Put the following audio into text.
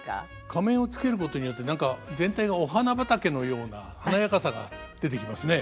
仮面をつけることによって何か全体がお花畑のような華やかさが出てきますね。